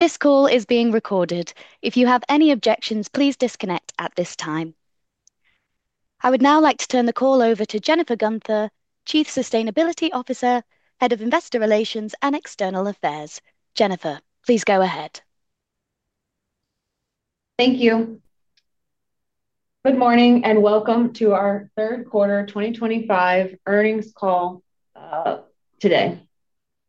This call is being recorded. If you have any objections, please disconnect at this time. I would now like to turn the call over to Jennifer Guenther, Chief Sustainability Officer, Head of Investor Relations and External Affairs. Jennifer, please go ahead. Thank you. Good morning and welcome to our third quarter 2025 earnings call. Today,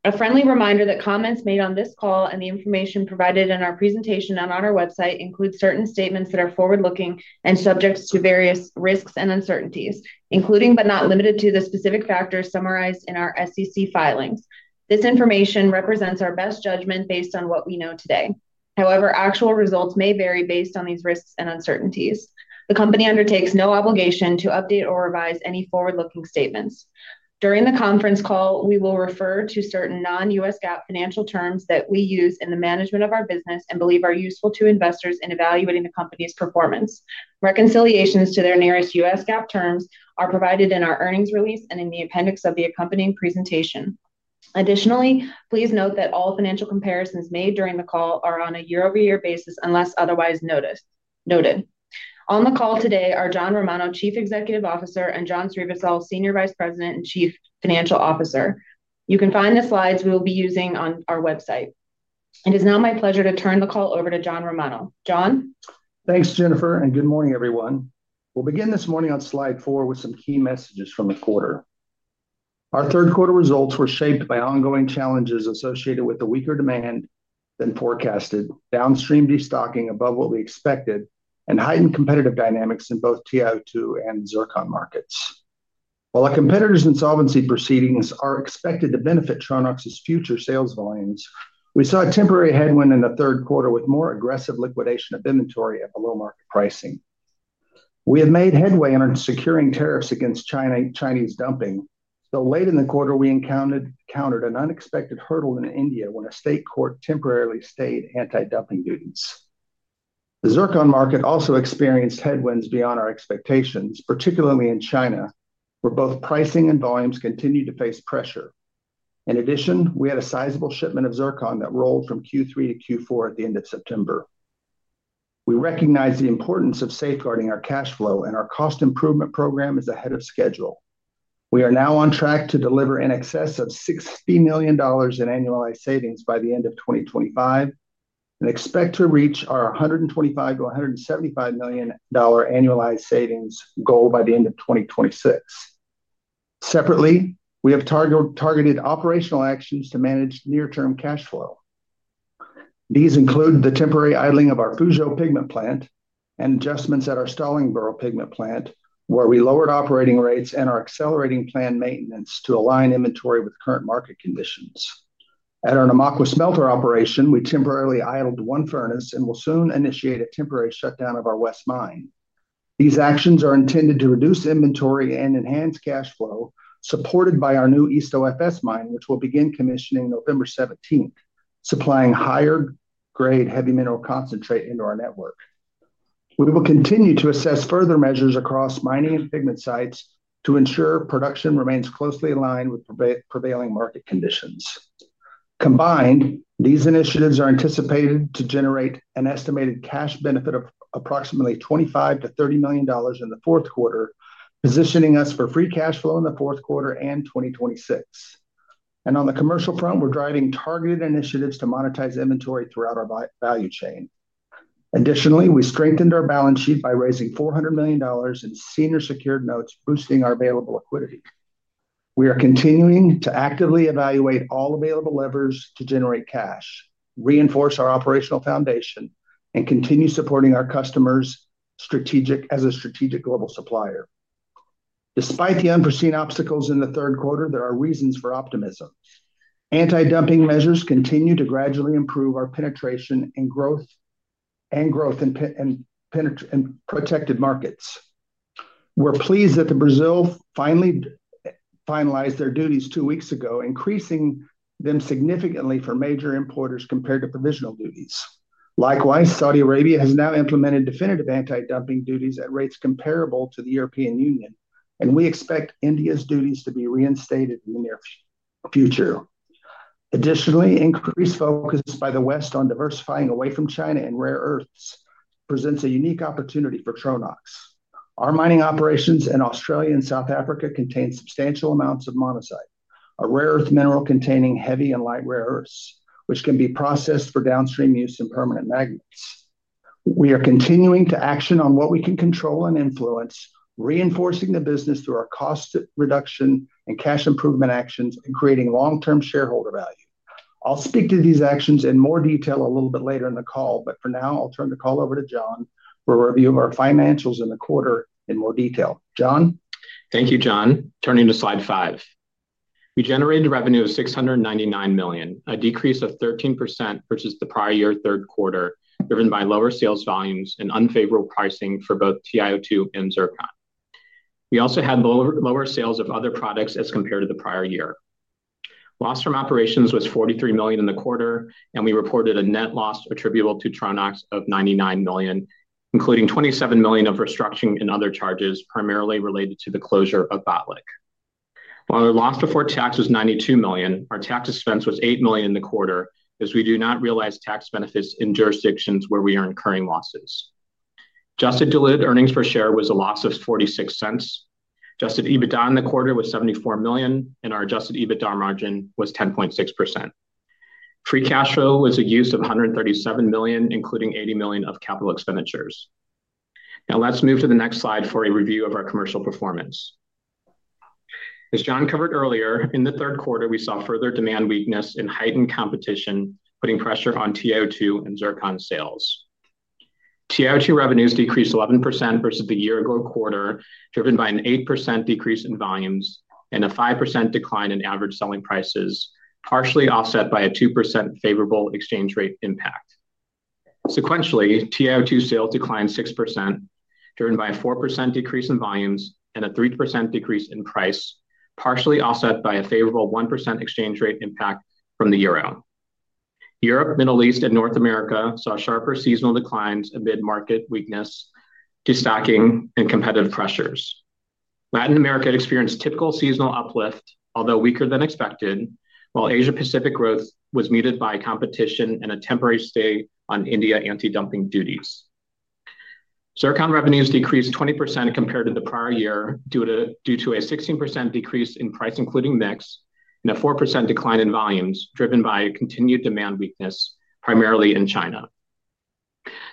a friendly reminder that comments made on this call and the information provided in our presentation and on our website include certain statements that are forward-looking and subject to various risks and uncertainties, including but not limited to the specific factors summarized in our SEC filings. This information represents our best judgment based on what we know today. However, actual results may vary based on these risks and uncertainties. The company undertakes no obligation to update or revise any forward-looking statements. During the conference call, we will refer to certain non-U.S. GAAP financial terms that we use in the management of our business and believe are useful to investors in evaluating the company's performance. Reconciliations to their nearest U.S. GAAP terms are provided in our earnings release and in the appendix of the accompanying presentation. Additionally, please note that all financial comparisons made during the call are on a year-over-year basis unless otherwise noted. On the call today are John Romano, Chief Executive Officer, and John Srivisal, Senior Vice President and Chief Financial Officer. You can find the slides we will be using on our website. It is now my pleasure to turn the call over to John Romano. John? Thanks, Jennifer, and good morning, everyone. We'll begin this morning on slide four with some key messages from the quarter. Our third quarter results were shaped by ongoing challenges associated with a weaker demand than forecasted, downstream destocking above what we expected, and heightened competitive dynamics in both TiO2 and zircon markets. While our competitors' insolvency proceedings are expected to benefit Tronox's future sales volumes, we saw a temporary headwind in the third quarter with more aggressive liquidation of inventory at below-market pricing. We have made headway in securing tariffs against Chinese dumping, though late in the quarter we encountered an unexpected hurdle in India when a state court temporarily stayed anti-dumping duties. The zircon market also experienced headwinds beyond our expectations, particularly in China, where both pricing and volumes continued to face pressure. In addition, we had a sizable shipment of zircon that rolled from Q3 to Q4 at the end of September. We recognize the importance of safeguarding our cash flow, and our cost improvement program is ahead of schedule. We are now on track to deliver in excess of $60 million in annualized savings by the end of 2025. We expect to reach our $125 million-$175 million annualized savings goal by the end of 2026. Separately, we have targeted operational actions to manage near-term cash flow. These include the temporary idling of our Fuzhou pigment plant and adjustments at our Stallingborough pigment plant, where we lowered operating rates and are accelerating plant maintenance to align inventory with current market conditions. At our Namakwa smelter operation, we temporarily idled one furnace and will soon initiate a temporary shutdown of our West mine. These actions are intended to reduce inventory and enhance cash flow, supported by our new East OFS mine, which will begin commissioning November 17, supplying higher-grade heavy mineral concentrate into our network. We will continue to assess further measures across mining and pigment sites to ensure production remains closely aligned with prevailing market conditions. Combined, these initiatives are anticipated to generate an estimated cash benefit of approximately $25 million-$30 million in the fourth quarter, positioning us for free cash flow in the fourth quarter and 2026. On the commercial front, we're driving targeted initiatives to monetize inventory throughout our value chain. Additionally, we strengthened our balance sheet by raising $400 million in senior secured notes, boosting our available liquidity. We are continuing to actively evaluate all available levers to generate cash, reinforce our operational foundation, and continue supporting our customers as a strategic global supplier. Despite the unforeseen obstacles in the third quarter, there are reasons for optimism. Anti-dumping measures continue to gradually improve our penetration and growth in protected markets. We're pleased that Brazil finally finalized their duties two weeks ago, increasing them significantly for major importers compared to provisional duties. Likewise, Saudi Arabia has now implemented definitive anti-dumping duties at rates comparable to the European Union, and we expect India's duties to be reinstated in the near future. Additionally, increased focus by the West on diversifying away from China and rare earths presents a unique opportunity for Tronox. Our mining operations in Australia and South Africa contain substantial amounts of monazite, a rare earth mineral containing heavy and light rare earths, which can be processed for downstream use in permanent magnets. We are continuing to action on what we can control and influence, reinforcing the business through our cost reduction and cash improvement actions and creating long-term shareholder value. I'll speak to these actions in more detail a little bit later in the call, but for now, I'll turn the call over to John for a review of our financials in the quarter in more detail. John? Thank you, John. Turning to slide five. We generated revenue of $699 million, a decrease of 13% versus the prior year third quarter, driven by lower sales volumes and unfavorable pricing for both TiO2 and zircon. We also had lower sales of other products as compared to the prior year. Loss from operations was $43 million in the quarter, and we reported a net loss attributable to Tronox of $99 million, including $27 million of restructuring and other charges primarily related to the closure of Botlek. While our loss before tax was $92 million, our tax expense was $8 million in the quarter as we do not realize tax benefits in jurisdictions where we are incurring losses. Adjusted Diluted Earnings per share was a loss of $0.46. Adjusted EBITDA in the quarter was $74 million, and our adjusted EBITDA margin was 10.6%. Free cash flow was a use of $137 million, including $80 million of capital expenditures. Now let's move to the next slide for a review of our commercial performance. As John covered earlier, in the third quarter, we saw further demand weakness and heightened competition, putting pressure on TiO2 and zircon sales. TiO2 revenues decreased 11% versus the year-ago quarter, driven by an 8% decrease in volumes and a 5% decline in average selling prices, partially offset by a 2% favorable exchange rate impact. Sequentially, TiO2 sales declined 6%, driven by a 4% decrease in volumes and a 3% decrease in price, partially offset by a favorable 1% exchange rate impact from the euro. Europe, the Middle East, and North America saw sharper seasonal declines amid market weakness, destocking, and competitive pressures. Latin America experienced typical seasonal uplift, although weaker than expected, while Asia-Pacific growth was muted by competition and a temporary stay on India anti-dumping duties. Zircon revenues decreased 20% compared to the prior year due to a 16% decrease in price, including mix, and a 4% decline in volumes, driven by continued demand weakness, primarily in China.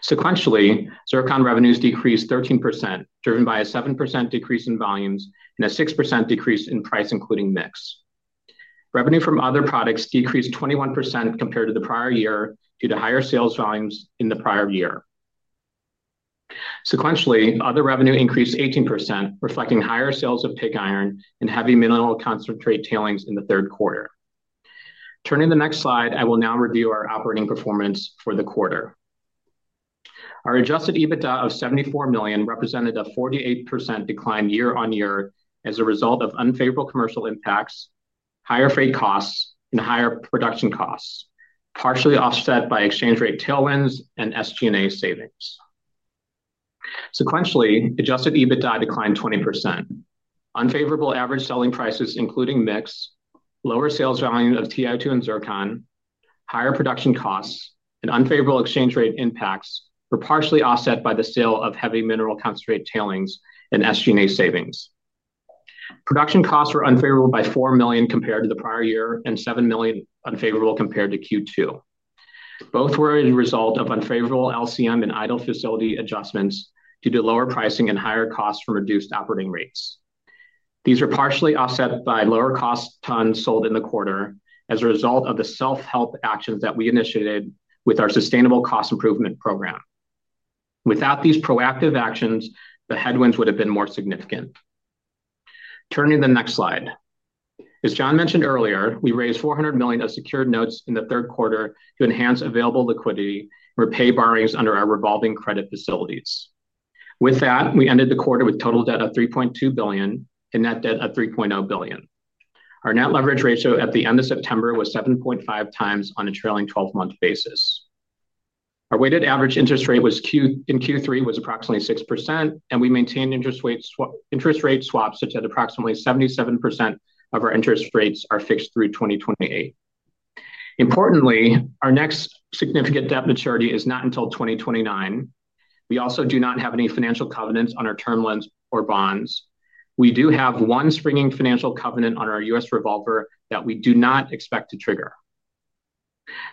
Sequentially, zircon revenues decreased 13%, driven by a 7% decrease in volumes and a 6% decrease in price, including mix. Revenue from other products decreased 21% compared to the prior year due to higher sales volumes in the prior year. Sequentially, other revenue increased 18%, reflecting higher sales of pig iron and heavy mineral concentrate tailings in the third quarter. Turning to the next slide, I will now review our operating performance for the quarter. Our adjusted EBITDA of $74 million represented a 48% decline year-on-year as a result of unfavorable commercial impacts, higher freight costs, and higher production costs, partially offset by exchange rate tailwinds and SG&A savings. Sequentially, adjusted EBITDA declined 20%. Unfavorable average selling prices, including mix, lower sales volume of TiO2 and zircon, higher production costs, and unfavorable exchange rate impacts were partially offset by the sale of heavy mineral concentrate tailings and SG&A savings. Production costs were unfavorable by $4 million compared to the prior year and $7 million unfavorable compared to Q2. Both were a result of unfavorable LCM and idle facility adjustments due to lower pricing and higher costs from reduced operating rates. These were partially offset by lower cost tons sold in the quarter as a result of the self-help actions that we initiated with our Sustainable Cost Improvement Program. Without these proactive actions, the headwinds would have been more significant. Turning to the next slide. As John mentioned earlier, we raised $400 million of secured notes in the third quarter to enhance available liquidity and repay borrowings under our revolving credit facilities. With that, we ended the quarter with total debt of $3.2 billion and net debt of $3.0 billion. Our net leverage ratio at the end of September was 7.5x on a trailing 12-month basis. Our weighted average interest rate in Q3 was approximately 6%, and we maintained interest rate swaps such that approximately 77% of our interest rates are fixed through 2028. Importantly, our next significant debt maturity is not until 2029. We also do not have any financial covenants on our term loans or bonds. We do have one springing financial covenant on our U.S. revolver that we do not expect to trigger.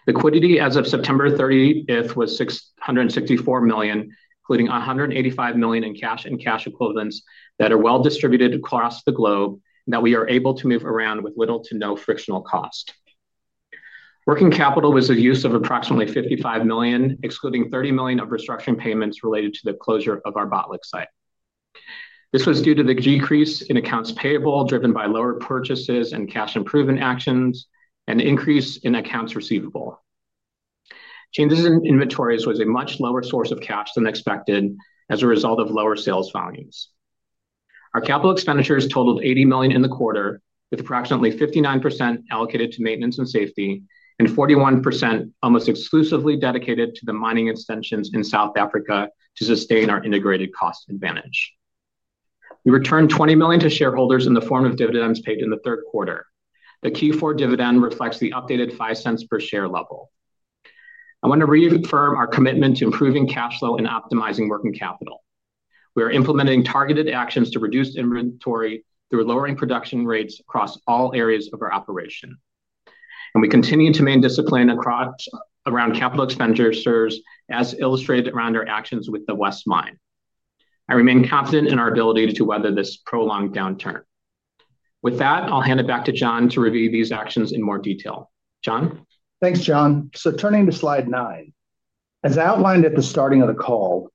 Liquidity as of September 30 was $664 million, including $185 million in cash and cash equivalents that are well distributed across the globe that we are able to move around with little to no frictional cost. Working capital was a use of approximately $55 million, excluding $30 million of restructuring payments related to the closure of our Botlek site. This was due to the decrease in accounts payable driven by lower purchases and cash improvement actions and increase in accounts receivable. Changes in inventories was a much lower source of cash than expected as a result of lower sales volumes. Our capital expenditures totaled $80 million in the quarter, with approximately 59% allocated to maintenance and safety and 41% almost exclusively dedicated to the mining extensions in South Africa to sustain our integrated cost advantage. We returned $20 million to shareholders in the form of dividends paid in the third quarter. The Q4 dividend reflects the updated $0.05 per share level. I want to reaffirm our commitment to improving cash flow and optimizing working capital. We are implementing targeted actions to reduce inventory through lowering production rates across all areas of our operation. We continue to maintain discipline around capital expenditures, as illustrated around our actions with the West mine. I remain confident in our ability to weather this prolonged downturn. With that, I'll hand it back to John to review these actions in more detail. John? Thanks, John. Turning to slide nine, as outlined at the start of the call,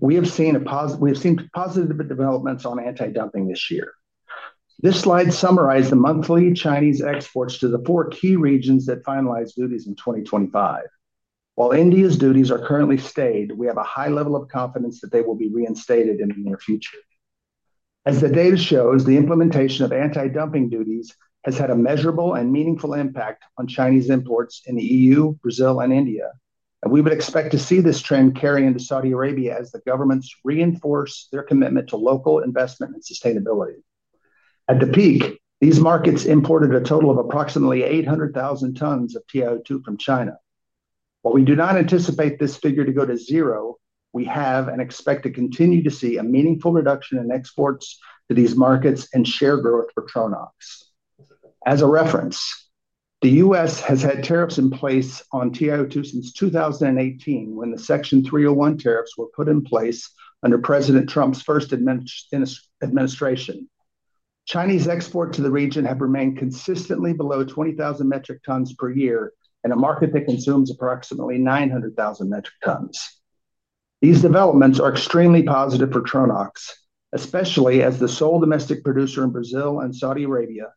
we have seen positive developments on anti-dumping this year. This slide summarizes the monthly Chinese exports to the four key regions that finalized duties in 2025. While India's duties are currently stayed, we have a high level of confidence that they will be reinstated in the near future. As the data shows, the implementation of anti-dumping duties has had a measurable and meaningful impact on Chinese imports in the European Union, Brazil, and India, and we would expect to see this trend carry into Saudi Arabia as the governments reinforce their commitment to local investment and sustainability. At the peak, these markets imported a total of approximately 800,000 tons of TiO2 from China. While we do not anticipate this figure to go to zero, we have and expect to continue to see a meaningful reduction in exports to these markets and share growth for Tronox. As a reference, the U.S. has had tariffs in place on TiO2 since 2018 when the Section 301 tariffs were put in place under President Trump's first administration. Chinese exports to the region have remained consistently below 20,000 metric tons per year in a market that consumes approximately 900,000 metric tons. These developments are extremely positive for Tronox, especially as the sole domestic producer in Brazil and Saudi Arabia,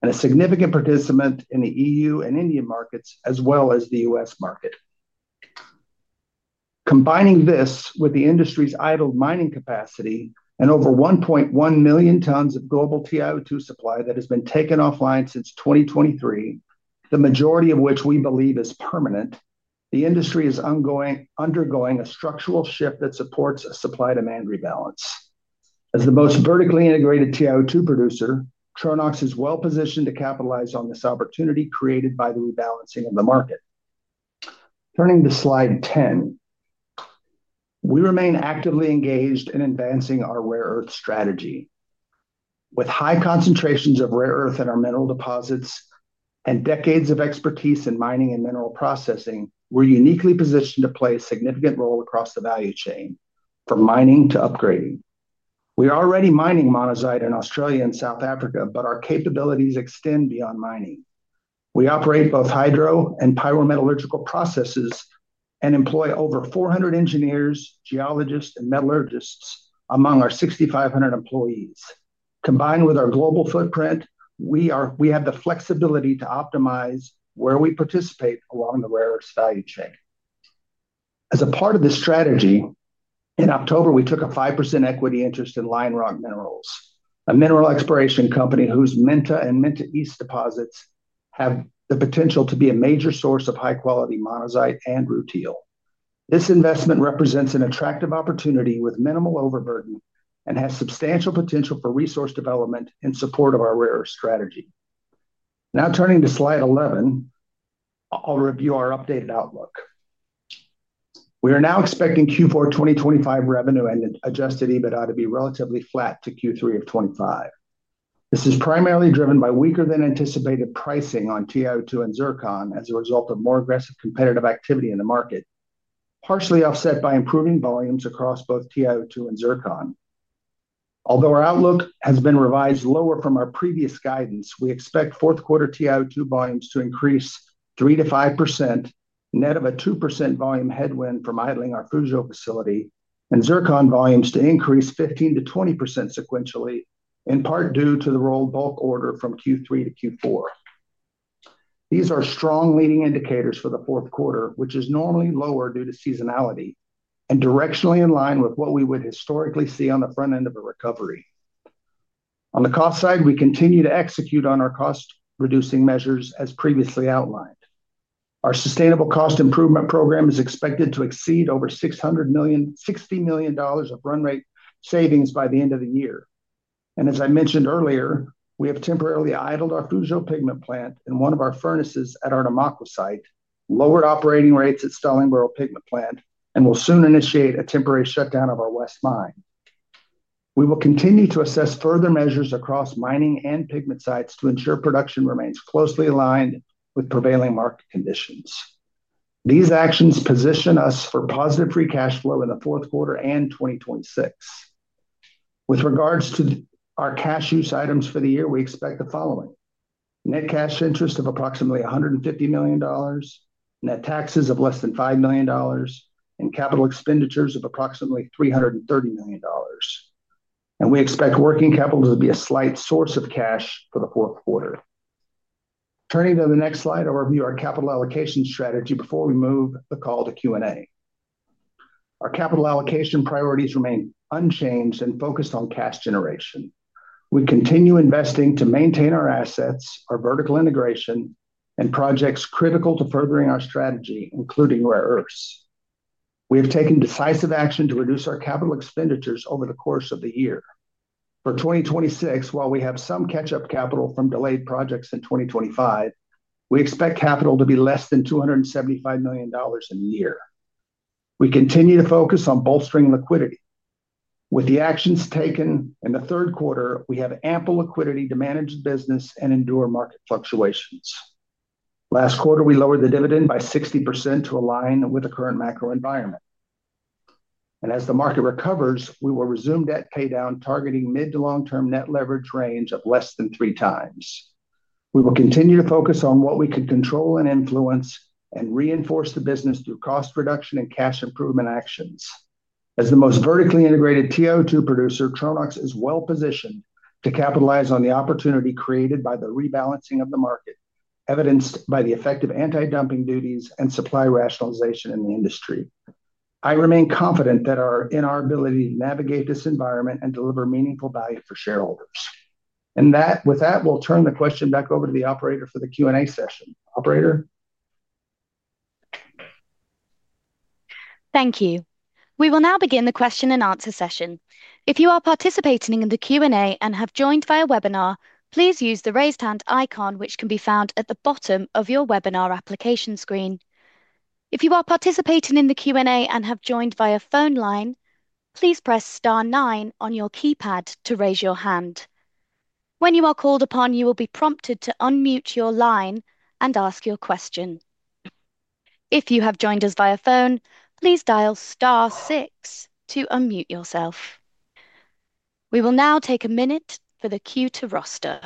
and a significant participant in the European Union and Indian markets, as well as the U.S. market. Combining this with the industry's idled mining capacity and over 1.1 million tons of global TiO2 supply that has been taken offline since 2023, the majority of which we believe is permanent, the industry is undergoing a structural shift that supports a supply-demand rebalance. As the most vertically integrated TiO2 producer, Tronox is well positioned to capitalize on this opportunity created by the rebalancing of the market. Turning to slide 10. We remain actively engaged in advancing our rare earth strategy. With high concentrations of rare earth in our mineral deposits and decades of expertise in mining and mineral processing, we're uniquely positioned to play a significant role across the value chain, from mining to upgrading. We are already mining monazite in Australia and South Africa, but our capabilities extend beyond mining. We operate both hydro and pyrometallurgical processes and employ over 400 engineers, geologists, and metallurgists among our 6,500 employees. Combined with our global footprint, we have the flexibility to optimize where we participate along the rare earth value chain. As a part of this strategy, in October, we took a 5% equity interest in Lion Rock Minerals, a mineral exploration company whose Minta and Minta East deposits have the potential to be a major source of high-quality monazite and rutile. This investment represents an attractive opportunity with minimal overburden and has substantial potential for resource development in support of our rare earth strategy. Now turning to slide 11. I'll review our updated outlook. We are now expecting Q4 2025 revenue and adjusted EBITDA to be relatively flat to Q3 of 2025. This is primarily driven by weaker-than-anticipated pricing on TiO2 and zircon as a result of more aggressive competitive activity in the market, partially offset by improving volumes across both TiO2 and zircon. Although our outlook has been revised lower from our previous guidance, we expect fourth-quarter TiO2 volumes to increase 3%-5%, net of a 2% volume headwind from idling our Fuzhou facility, and zircon volumes to increase 15%-20% sequentially, in part due to the rolled bulk order from Q3 to Q4. These are strong leading indicators for the fourth quarter, which is normally lower due to seasonality and directionally in line with what we would historically see on the front end of a recovery. On the cost side, we continue to execute on our cost-reducing measures, as previously outlined. Our Sustainable Cost Improvement Program is expected to exceed over $60 million. Million of run rate savings by the end of the year. As I mentioned earlier, we have temporarily idled our Fuzhou pigment plant and one of our furnaces at our Namakwa site, lowered operating rates at Stallingborough pigment plant, and will soon initiate a temporary shutdown of our West mine. We will continue to assess further measures across mining and pigment sites to ensure production remains closely aligned with prevailing market conditions. These actions position us for positive free cash flow in the fourth quarter and 2026. With regards to our cash use items for the year, we expect the following. Net cash interest of approximately $150 million, net taxes of less than $5 million, and capital expenditures of approximately $330 million. We expect working capital to be a slight source of cash for the fourth quarter. Turning to the next slide, I'll review our capital allocation strategy before we move the call to Q&A. Our capital allocation priorities remain unchanged and focused on cash generation. We continue investing to maintain our assets, our vertical integration, and projects critical to furthering our strategy, including rare earths. We have taken decisive action to reduce our capital expenditures over the course of the year. For 2026, while we have some catch-up capital from delayed projects in 2025, we expect capital to be less than $275 million in a year. We continue to focus on bolstering liquidity. With the actions taken in the third quarter, we have ample liquidity to manage the business and endure market fluctuations. Last quarter, we lowered the dividend by 60% to align with the current macro environment. As the market recovers, we will resume debt paydown, targeting mid to long-term net leverage range of less than 3x. We will continue to focus on what we can control and influence and reinforce the business through cost reduction and cash improvement actions. As the most vertically integrated TiO2 producer, Tronox is well positioned to capitalize on the opportunity created by the rebalancing of the market, evidenced by the effective anti-dumping duties and supply rationalization in the industry. I remain confident in our ability to navigate this environment and deliver meaningful value for shareholders. With that, we'll turn the question back over to the operator for the Q&A session. Operator? Thank you. We will now begin the question and answer session. If you are participating in the Q&A and have joined via webinar, please use the raised hand icon, which can be found at the bottom of your webinar application screen. If you are participating in the Q&A and have joined via phone line, please press star nine on your keypad to raise your hand. When you are called upon, you will be prompted to unmute your line and ask your question. If you have joined us via phone, please dial star six to unmute yourself. We will now take a minute for the queue to roster.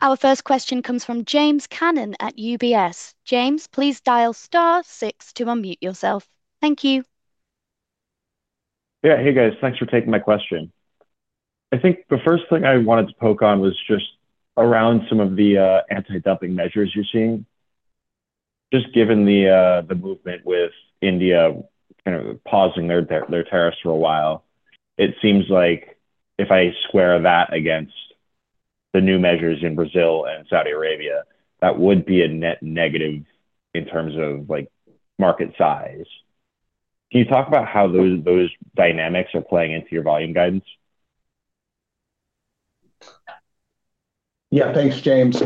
Our first question comes from James Cannon at UBS. James, please dial star six to unmute yourself. Thank you. Yeah, hey guys, thanks for taking my question. I think the first thing I wanted to poke on was just around some of the anti-dumping measures you're seeing. Just given the movement with India kind of pausing their tariffs for a while, it seems like if I square that against the new measures in Brazil and Saudi Arabia, that would be a net negative in terms of market size. Can you talk about how those dynamics are playing into your volume guidance? Yeah, thanks, James.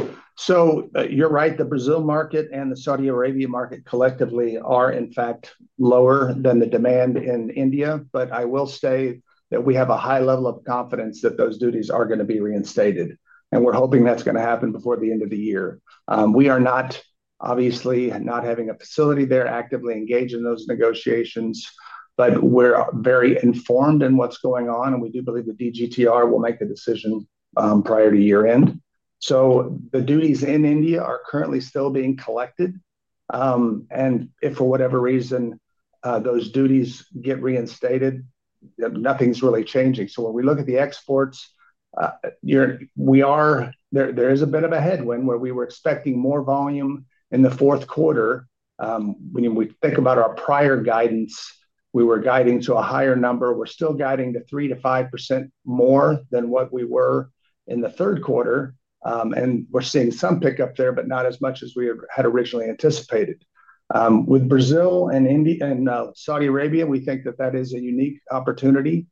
You're right, the Brazil market and the Saudi Arabia market collectively are, in fact, lower than the demand in India, but I will say that we have a high level of confidence that those duties are going to be reinstated. We're hoping that's going to happen before the end of the year. We are not, obviously, not having a facility there actively engaged in those negotiations, but we're very informed in what's going on, and we do believe the DGTR will make a decision prior to year-end. The duties in India are currently still being collected. If for whatever reason those duties get reinstated, nothing's really changing. When we look at the exports, there is a bit of a headwind where we were expecting more volume in the fourth quarter. When we think about our prior guidance, we were guiding to a higher number. We're still guiding to 3%-5% more than what we were in the third quarter. And we're seeing some pickup there, but not as much as we had originally anticipated. With Brazil and Saudi Arabia, we think that that is a unique opportunity.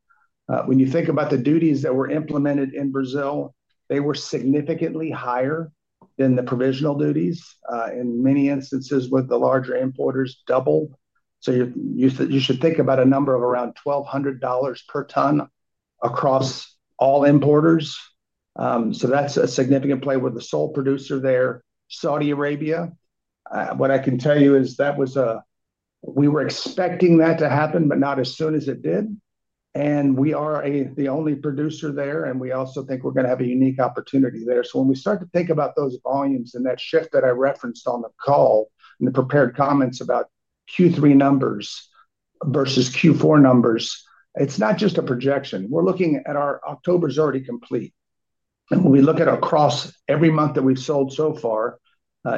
When you think about the duties that were implemented in Brazil, they were significantly higher than the provisional duties. In many instances, with the larger importers, double. So you should think about a number of around $1,200 per ton across all importers. So that's a significant play with the sole producer there. Saudi Arabia, what I can tell you is that we were expecting that to happen, but not as soon as it did. We are the only producer there, and we also think we're going to have a unique opportunity there. When we start to think about those volumes and that shift that I referenced on the call and the prepared comments about Q3 numbers versus Q4 numbers, it's not just a projection. We're looking at our October is already complete. When we look at across every month that we've sold so far,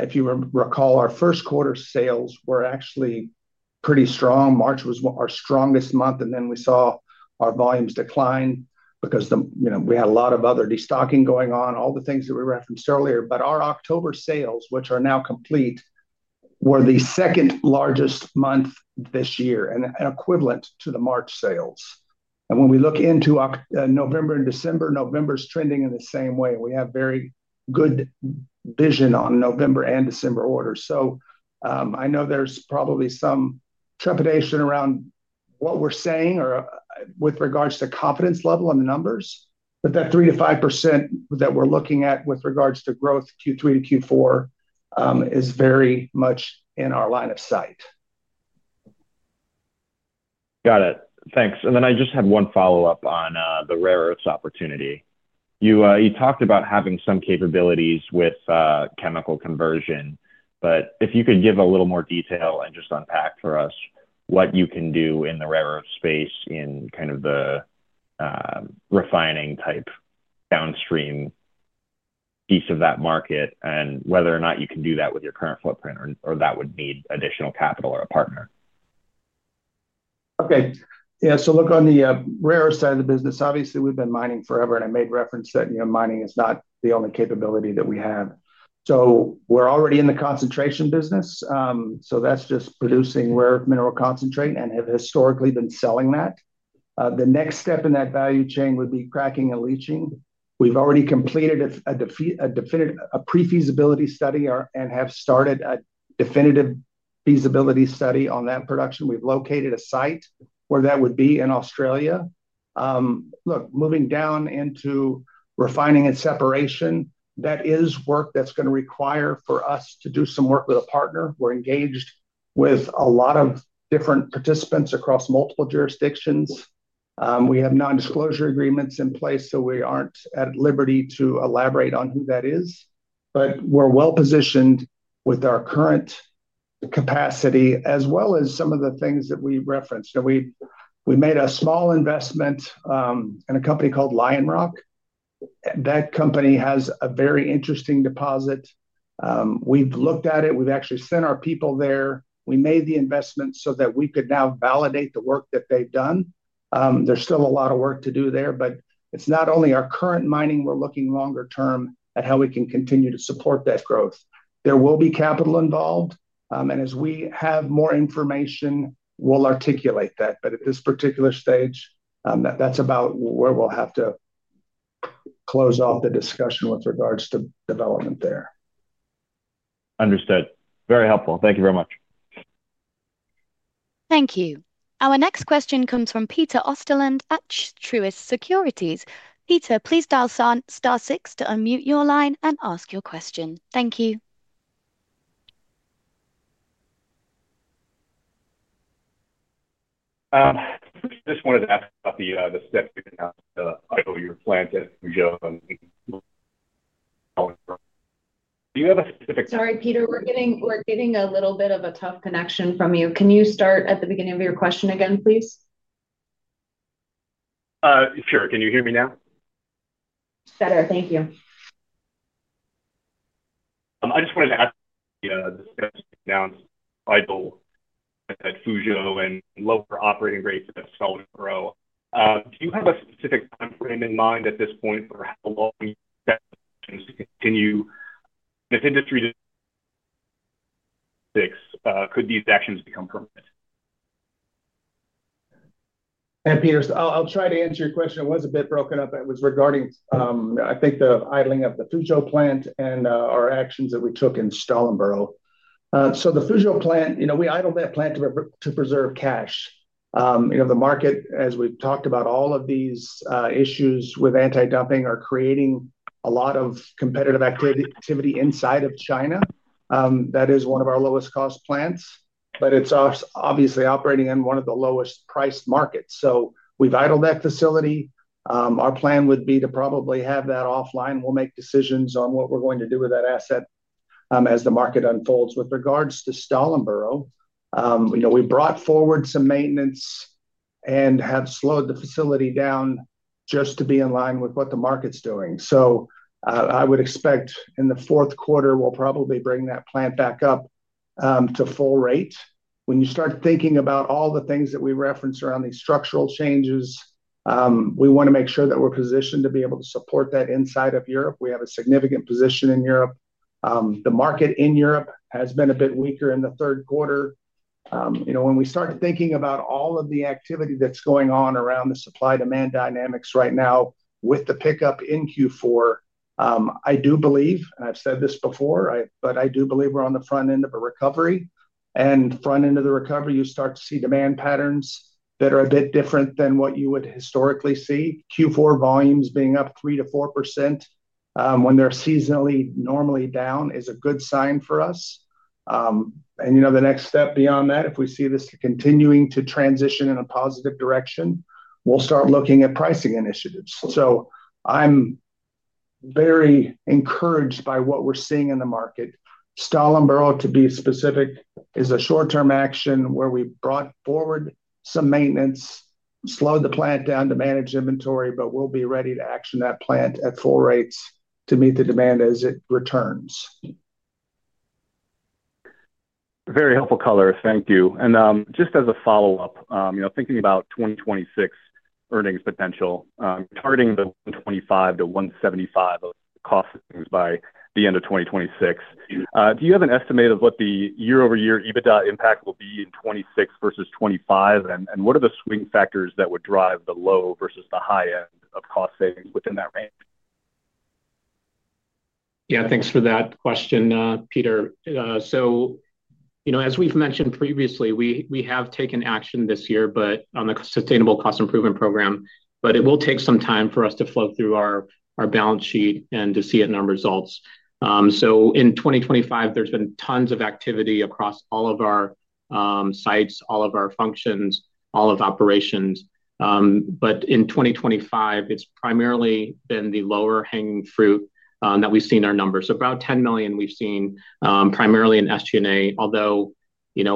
if you recall, our first quarter sales were actually pretty strong. March was our strongest month, and then we saw our volumes decline because we had a lot of other destocking going on, all the things that we referenced earlier. Our October sales, which are now complete, were the second largest month this year and equivalent to the March sales. When we look into November and December, November's trending in the same way. We have very good vision on November and December orders. I know there's probably some trepidation around what we're saying with regards to confidence level on the numbers, but that 3%-5% that we're looking at with regards to growth Q3 to Q4 is very much in our line of sight. Got it. Thanks. I just have one follow-up on the rare earths opportunity. You talked about having some capabilities with chemical conversion, but if you could give a little more detail and just unpack for us what you can do in the rare earth space in kind of the refining type downstream piece of that market and whether or not you can do that with your current footprint or that would need additional capital or a partner. Okay. Yeah. So look on the rare earth side of the business. Obviously, we've been mining forever, and I made reference that mining is not the only capability that we have. So we're already in the concentration business. So that's just producing rare earth mineral concentrate and have historically been selling that. The next step in that value chain would be cracking and leaching. We've already completed a pre-feasibility study and have started a definitive feasibility study on that production. We've located a site where that would be in Australia. Look, moving down into refining and separation, that is work that's going to require for us to do some work with a partner. We're engaged with a lot of different participants across multiple jurisdictions. We have non-disclosure agreements in place, so we aren't at liberty to elaborate on who that is. But we're well positioned with our current. Capacity, as well as some of the things that we referenced. We made a small investment in a company called Lion Rock. That company has a very interesting deposit. We've looked at it. We've actually sent our people there. We made the investment so that we could now validate the work that they've done. There's still a lot of work to do there, but it's not only our current mining. We're looking longer term at how we can continue to support that growth. There will be capital involved. As we have more information, we'll articulate that. At this particular stage, that's about where we'll have to close off the discussion with regards to development there. Understood. Very helpful. Thank you very much. Thank you. Our next question comes from Peter Osterland at Truist Securities. Peter, please dial star six to unmute your line and ask your question. Thank you. Just wanted to ask about the steps you're planning to do. Do you have a specific? Sorry, Peter. We're getting a little bit of a tough connection from you. Can you start at the beginning of your question again, please? Sure. Can you hear me now? Better. Thank you. I just wanted to ask the discussion announced title at Fuzhou and lower operating rates at Stallingborough. Do you have a specific timeframe in mind at this point for how long you expect to continue this industry to? Could these actions become permanent? Peter, I'll try to answer your question. It was a bit broken up. It was regarding, I think, the idling of the Fuzhou plant and our actions that we took in Stallingborough. The Fuzhou plant, we idled that plant to preserve cash. The market, as we've talked about, all of these issues with anti-dumping are creating a lot of competitive activity inside of China. That is one of our lowest-cost plants, but it's obviously operating in one of the lowest-priced markets. We have idled that facility. Our plan would be to probably have that offline. We'll make decisions on what we're going to do with that asset as the market unfolds. With regards to Stallingborough, we brought forward some maintenance and have slowed the facility down just to be in line with what the market's doing. I would expect in the fourth quarter, we'll probably bring that plant back up to full rate. When you start thinking about all the things that we referenced around these structural changes, we want to make sure that we're positioned to be able to support that inside of Europe. We have a significant position in Europe. The market in Europe has been a bit weaker in the third quarter. When we start thinking about all of the activity that's going on around the supply-demand dynamics right now with the pickup in Q4, I do believe, and I've said this before, but I do believe we're on the front end of a recovery. Front end of the recovery, you start to see demand patterns that are a bit different than what you would historically see. Q4 volumes being up 3%-4%. When they're seasonally normally down is a good sign for us. The next step beyond that, if we see this continuing to transition in a positive direction, we'll start looking at pricing initiatives. I'm very encouraged by what we're seeing in the market. Stallingborough, to be specific, is a short-term action where we brought forward some maintenance, slowed the plant down to manage inventory, but we'll be ready to action that plant at full rates to meet the demand as it returns. Very helpful color. Thank you. Just as a follow-up, thinking about 2026 earnings potential, targeting the $125 million-$175 million cost savings by the end of 2026, do you have an estimate of what the year-over-year EBITDA impact will be in 2026 versus 2025? What are the swing factors that would drive the low versus the high end of cost savings within that range? Yeah, thanks for that question, Peter. As we've mentioned previously, we have taken action this year on the Sustainable Cost Improvement Program, but it will take some time for it to flow through our balance sheet and to see it in our results. In 2025, there's been tons of activity across all of our sites, all of our functions, all of operations. In 2025, it's primarily been the lower-hanging fruit that we've seen in our numbers. About $10 million we've seen primarily in SG&A. Although,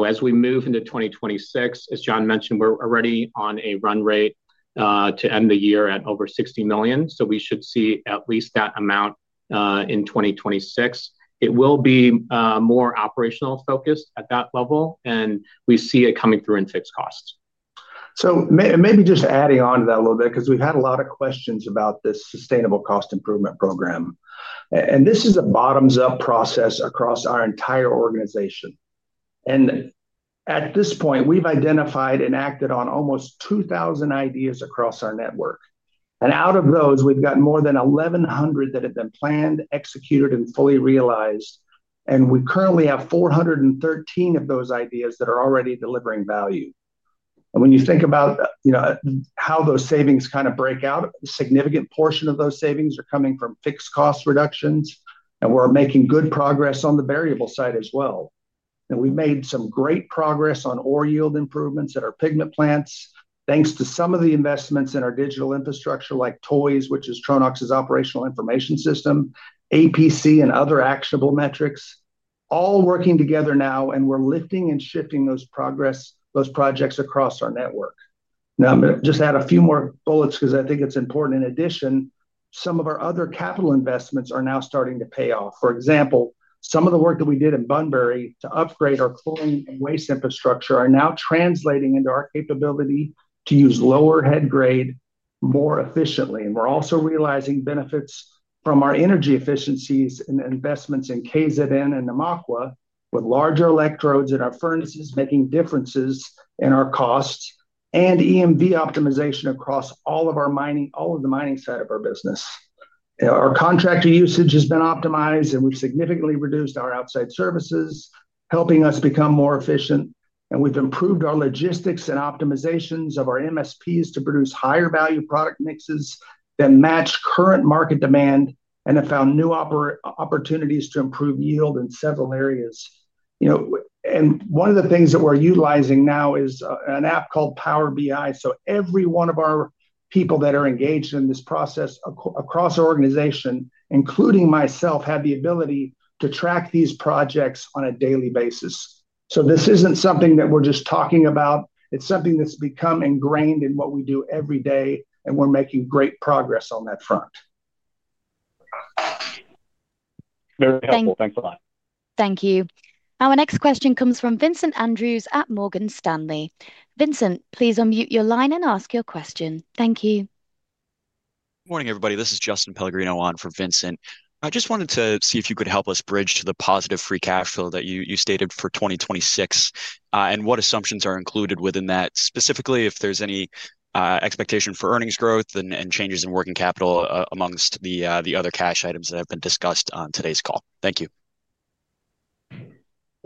as we move into 2026, as John mentioned, we're already on a run rate to end the year at over $60 million. We should see at least that amount in 2026. It will be more operational focused at that level, and we see it coming through in fixed costs. Maybe just adding on to that a little bit because we've had a lot of questions about this Sustainable Cost Improvement Program. This is a bottoms-up process across our entire organization. At this point, we've identified and acted on almost 2,000 ideas across our network. Out of those, we've got more than 1,100 that have been planned, executed, and fully realized. We currently have 413 of those ideas that are already delivering value. When you think about how those savings kind of break out, a significant portion of those savings are coming from fixed cost reductions, and we're making good progress on the variable side as well. We have made some great progress on ore yield improvements at our pigment plants, thanks to some of the investments in our digital infrastructure like TOIS, which is Tronox's operational information system, APC, and other actionable metrics, all working together now, and we are lifting and shifting those projects across our network. I am going to just add a few more bullets because I think it is important. In addition, some of our other capital investments are now starting to pay off. For example, some of the work that we did in Bunbury to upgrade our cooling and waste infrastructure is now translating into our capability to use lower head grade more efficiently. We are also realizing benefits from our energy efficiencies and investments in KZN and Namakwa with larger electrodes in our furnaces, making differences in our costs and EMV optimization across all of the mining side of our business. Our contractor usage has been optimized, and we have significantly reduced our outside services, helping us become more efficient. We have improved our logistics and optimizations of our MSPs to produce higher-value product mixes that match current market demand and have found new opportunities to improve yield in several areas. One of the things that we are utilizing now is an app called Power BI. Every one of our people that are engaged in this process across our organization, including myself, have the ability to track these projects on a daily basis. This is not something that we are just talking about. It is something that has become ingrained in what we do every day, and we are making great progress on that front. Very helpful. Thanks a lot. Thank you. Our next question comes from Vincent Andrews at Morgan Stanley. Vincent, please unmute your line and ask your question. Thank you. Good morning, everybody. This is Justin Pellegrino on for Vincent. I just wanted to see if you could help us bridge to the positive free cash flow that you stated for 2026 and what assumptions are included within that, specifically if there's any expectation for earnings growth and changes in working capital amongst the other cash items that have been discussed on today's call. Thank you.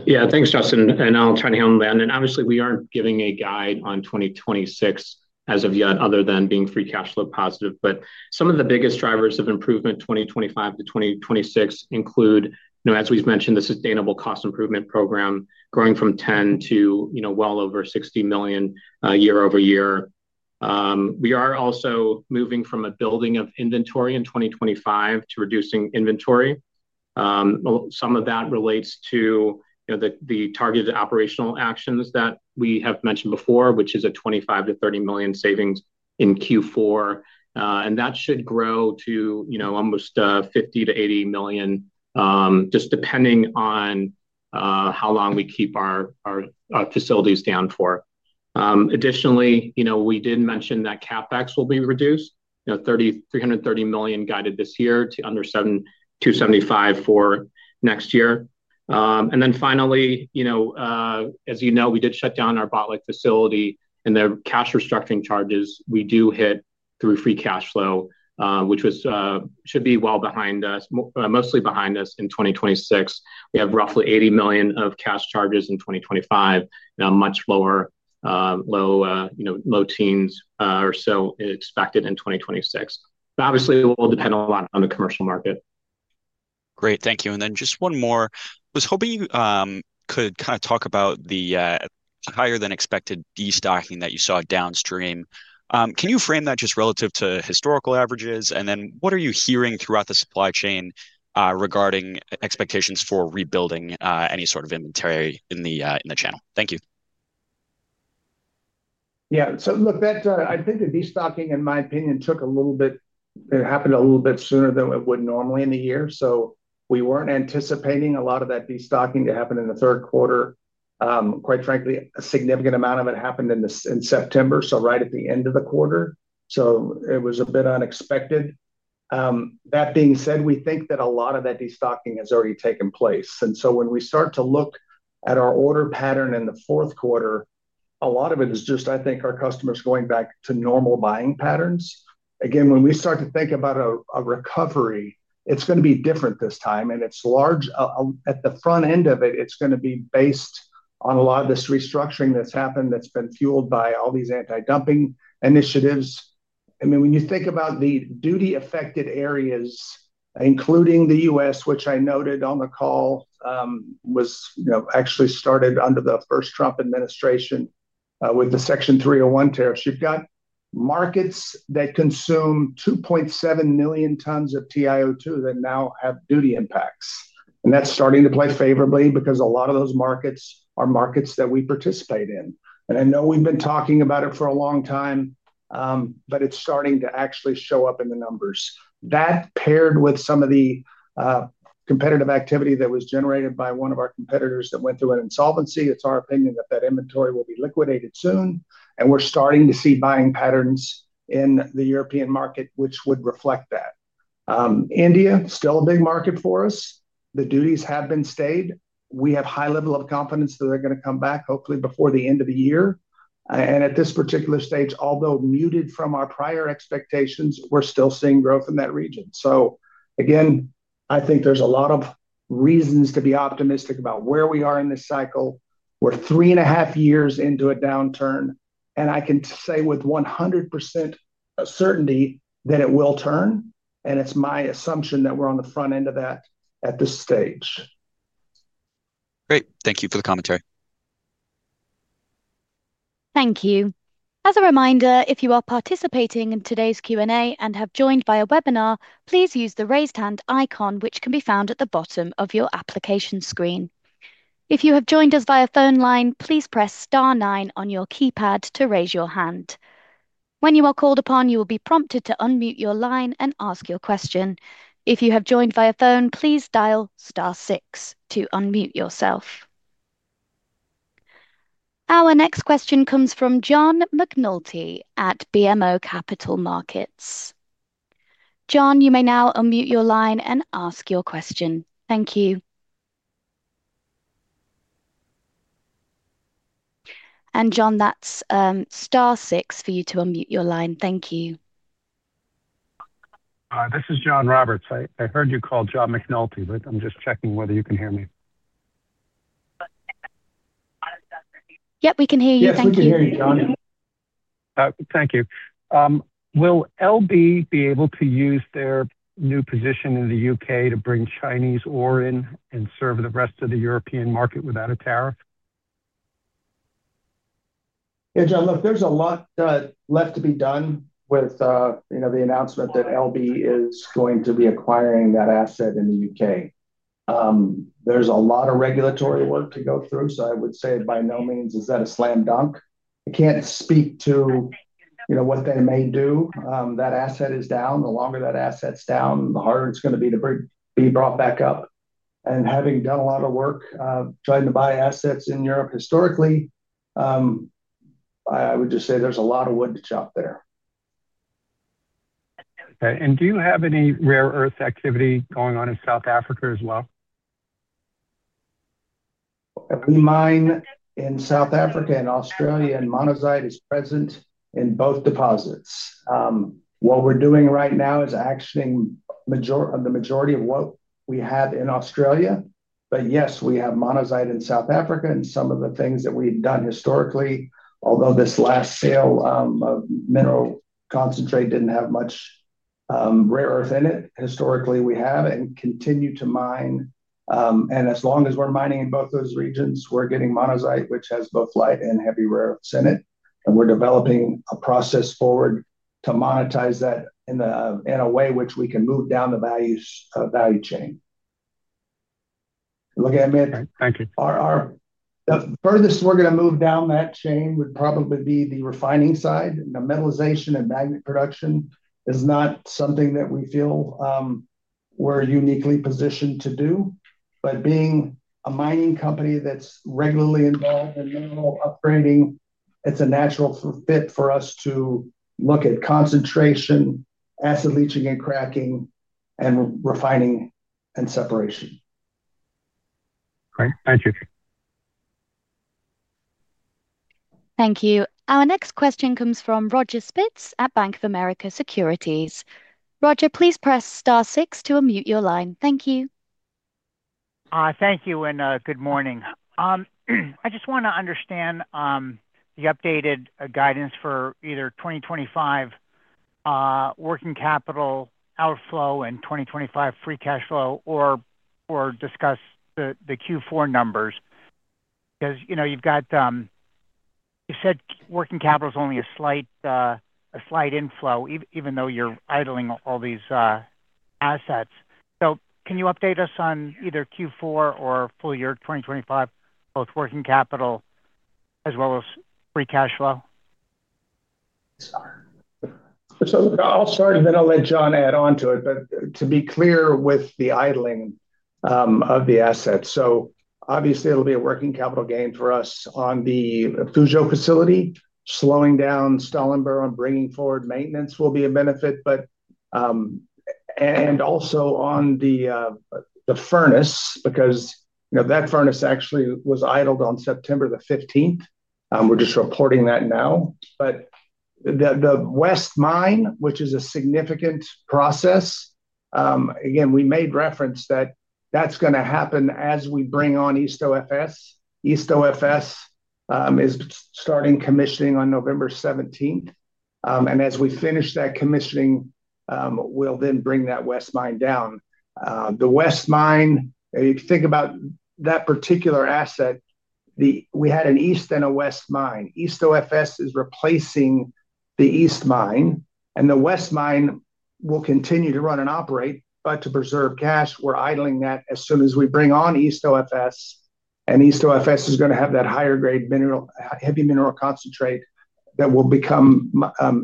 Yeah, thanks, Justin. I'll try to handle that. Obviously, we aren't giving a guide on 2026 as of yet other than being free cash flow positive. Some of the biggest drivers of improvement 2025 to 2026 include, as we've mentioned, the Sustainable Cost Improvement Program growing from $10 million to well over $60 million year over year. We are also moving from a building of inventory in 2025 to reducing inventory. Some of that relates to the targeted operational actions that we have mentioned before, which is a $25 million-$30 million savings in Q4. That should grow to almost $50 million-$80 million, just depending on how long we keep our facilities down for. Additionally, we did mention that CapEx will be reduced, $330 million guided this year to under $275 million for next year. Finally. As you know, we did shut down our Botlek facility, and the cash restructuring charges we do hit through free cash flow, which should be well behind us, mostly behind us in 2026. We have roughly $80 million of cash charges in 2025, much lower. Low teens or so expected in 2026. Obviously, it will depend a lot on the commercial market. Great. Thank you. Just one more. I was hoping you could kind of talk about the higher-than-expected destocking that you saw downstream. Can you frame that just relative to historical averages? What are you hearing throughout the supply chain regarding expectations for rebuilding any sort of inventory in the channel? Thank you. Yeah. Look, I think the destocking, in my opinion, took a little bit—it happened a little bit sooner than it would normally in the year. We were not anticipating a lot of that destocking to happen in the third quarter. Quite frankly, a significant amount of it happened in September, right at the end of the quarter. It was a bit unexpected. That being said, we think that a lot of that destocking has already taken place. When we start to look at our order pattern in the fourth quarter, a lot of it is just, I think, our customers going back to normal buying patterns. Again, when we start to think about a recovery, it is going to be different this time. At the front end of it, it's going to be based on a lot of this restructuring that's happened that's been fueled by all these anti-dumping initiatives. I mean, when you think about the duty-affected areas, including the U.S., which I noted on the call, it was actually started under the first Trump administration with the Section 301 tariffs. You've got markets that consume 2.7 million tons of TiO2 that now have duty impacts. That's starting to play favorably because a lot of those markets are markets that we participate in. I know we've been talking about it for a long time, but it's starting to actually show up in the numbers. That, paired with some of the competitive activity that was generated by one of our competitors that went through an insolvency, it's our opinion that that inventory will be liquidated soon. We're starting to see buying patterns in the European market, which would reflect that. India, still a big market for us. The duties have been stayed. We have a high level of confidence that they're going to come back, hopefully before the end of the year. At this particular stage, although muted from our prior expectations, we're still seeing growth in that region. I think there's a lot of reasons to be optimistic about where we are in this cycle. We're three and a half years into a downturn. I can say with 100% certainty that it will turn. It's my assumption that we're on the front end of that at this stage. Great. Thank you for the commentary. Thank you. As a reminder, if you are participating in today's Q&A and have joined via webinar, please use the raised hand icon, which can be found at the bottom of your application screen. If you have joined us via phone line, please press star nine on your keypad to raise your hand. When you are called upon, you will be prompted to unmute your line and ask your question. If you have joined via phone, please dial star six to unmute yourself. Our next question comes from John McNulty at BMO Capital Markets. John, you may now unmute your line and ask your question. Thank you. John, that's star six for you to unmute your line. Thank you. This is John Roberts. I heard you called John McNulty, but I'm just checking whether you can hear me. Yep, we can hear you. Thank you. Yes, we can hear you, John. Thank you. Will LB be able to use their new position in the U.K. to bring Chinese ore in and serve the rest of the European market without a tariff? Yeah, John, look, there's a lot left to be done with the announcement that LB is going to be acquiring that asset in the U.K. There's a lot of regulatory work to go through, so I would say by no means is that a slam dunk. I can't speak to what they may do. That asset is down. The longer that asset's down, the harder it's going to be to be brought back up. Having done a lot of work trying to buy assets in Europe historically, I would just say there's a lot of wood to chop there. Okay. Do you have any rare earth activity going on in South Africa as well? We mine in South Africa and Australia, and monazite is present in both deposits. What we're doing right now is actioning the majority of what we have in Australia. Yes, we have monazite in South Africa, and some of the things that we've done historically, although this last sale of mineral concentrate did not have much rare earth in it, historically we have and continue to mine. As long as we're mining in both those regions, we're getting monazite, which has both light and heavy rare earths in it. We're developing a process forward to monetize that in a way which we can move down the value chain. Look, I. Thank you. The furthest we're going to move down that chain would probably be the refining side. The metalization and magnet production is not something that we feel we're uniquely positioned to do. Being a mining company that's regularly involved in mineral upgrading, it's a natural fit for us to look at concentration, acid leaching and cracking, and refining and separation. Great. Thank you. Thank you. Our next question comes from Roger Spitz at Bank of America Securities. Roger, please press star six to unmute your line. Thank you. Thank you and good morning. I just want to understand. The updated guidance for either 2025. Working capital outflow and 2025 free cash flow or. Discuss the Q4 numbers. Because you've got. You said working capital is only a slight. Inflow, even though you're idling all these. Assets. So can you update us on either Q4 or full year 2025, both working capital. As well as free cash flow? I'll start, and then I'll let John add on to it. To be clear with the idling of the assets, obviously, it'll be a working capital gain for us on the Fuzhou facility. Slowing down Stallingborough and bringing forward maintenance will be a benefit, and also on the furnace, because that furnace actually was idled on September 15. We're just reporting that now. The West Mine, which is a significant process, again, we made reference that that's going to happen as we bring on East OFS. East OFS is starting commissioning on November 17, and as we finish that commissioning, we'll then bring that West Mine down. The West Mine, if you think about that particular asset, we had an East and a West Mine. East OFS is replacing the East Mine. The West mine will continue to run and operate, but to preserve cash, we're idling that as soon as we bring on East OFS. East OFS is going to have that higher-grade heavy mineral concentrate that will become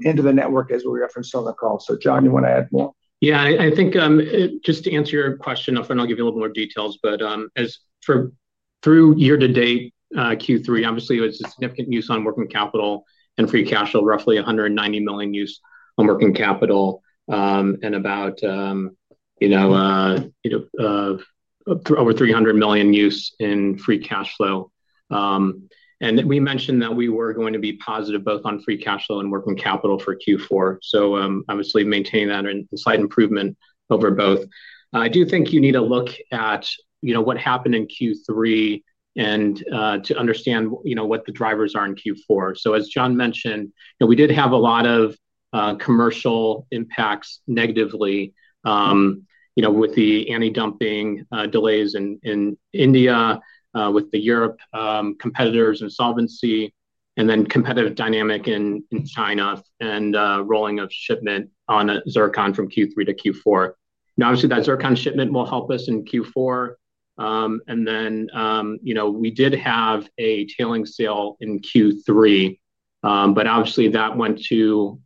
into the network as we referenced on the call. John, you want to add more? Yeah. I think just to answer your question, I'll give you a little more details. Through year-to-date Q3, obviously, it was significant use on working capital and free cash flow, roughly $190 million use on working capital. And about over $300 million use in free cash flow. We mentioned that we were going to be positive both on free cash flow and working capital for Q4. Obviously, maintaining that and slight improvement over both. I do think you need to look at what happened in Q3 to understand what the drivers are in Q4. As John mentioned, we did have a lot of commercial impacts negatively with the anti-dumping delays in India, with the Europe competitors and solvency, and then competitive dynamic in China and rolling of shipment on zircon from Q3 to Q4. Obviously, that zircon shipment will help us in Q4. We did have a tailing sale in Q3. Obviously, that went to,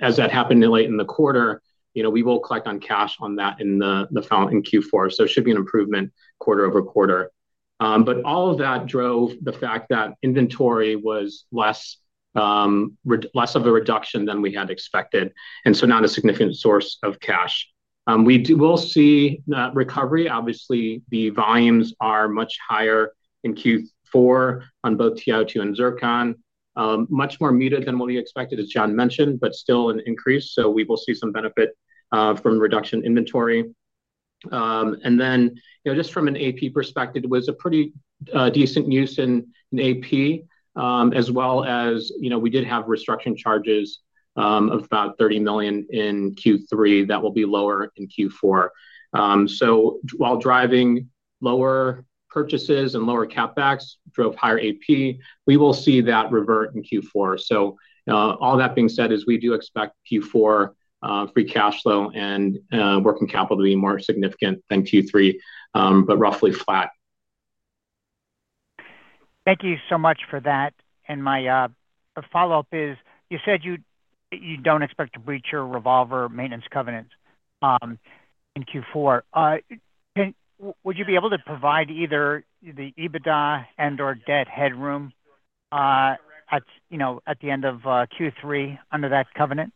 as that happened late in the quarter, we will collect on cash on that in Q4. It should be an improvement quarter over quarter. All of that drove the fact that inventory was less of a reduction than we had expected, and so not a significant source of cash. We will see recovery. Obviously, the volumes are much higher in Q4 on both TiO2 and zircon, much more muted than what we expected, as John mentioned, but still an increase. We will see some benefit from reduction inventory. Just from an AP perspective, it was a pretty decent use in AP as well, as we did have restructuring charges of about $30 million in Q3 that will be lower in Q4. While driving lower purchases and lower CapEx drove higher AP, we will see that revert in Q4. All that being said is we do expect Q4 free cash flow and working capital to be more significant than Q3, but roughly flat. Thank you so much for that. My follow-up is, you said you do not expect to breach your revolver maintenance covenants in Q4. Would you be able to provide either the EBITDA and/or debt headroom at the end of Q3 under that covenant?